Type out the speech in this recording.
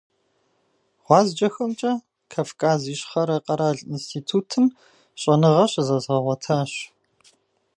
ГъуазджэхэмкӀэ Кавказ Ищхъэрэ къэрал институтым щӀэныгъэ щызэзгъэгъуэтащ.